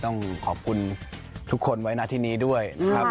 ต้องขอบคุณทุกคนไว้หน้าที่นี้ด้วยนะครับ